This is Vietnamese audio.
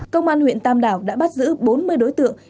công an huyện tam đảo đã bắt giữ bốn mươi đối tượng